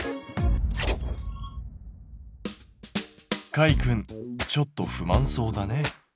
かいくんちょっと不満そうだね。